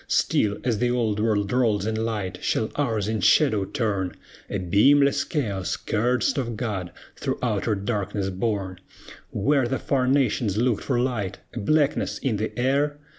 Still as the Old World rolls in light, shall ours in shadow turn, A beamless Chaos, cursed of God, through outer darkness borne? Where the far nations looked for light, a blackness in the air?